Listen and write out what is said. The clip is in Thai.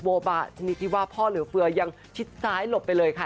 บอกมาที่จะที่ว่าพอและเอาเพื่อยังใช้ลบไปเลยค่ะ